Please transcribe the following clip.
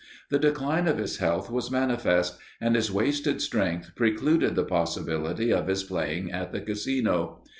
The decline of his health was manifest; and his wasted strength precluded the possibility of his playing at the Casino.